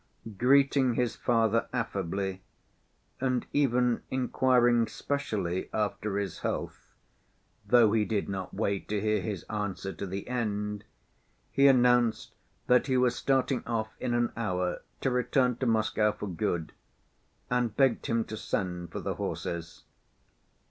Greeting his father affably, and even inquiring specially after his health, though he did not wait to hear his answer to the end, he announced that he was starting off in an hour to return to Moscow for good, and begged him to send for the horses.